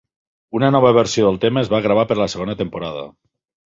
Una nova versió del tema es va gravar per a la segona temporada.